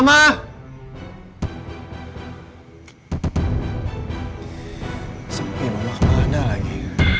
sampai malam kemana lagi